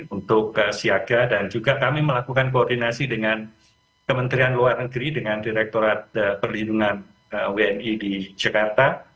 untuk siaga dan juga kami melakukan koordinasi dengan kementerian luar negeri dengan direkturat perlindungan wni di jakarta